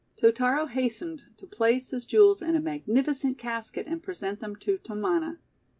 Totaro hastened to place his jewels in a mag nificent casket and present them to Tamana.